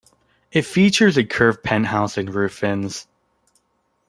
It features a curved penthouse and roof fins.